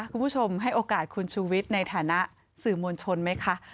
คุณผู้ชมให้โอกาสคุณชูวิทย์ในฐานะสื่อมวลชนไหมคะ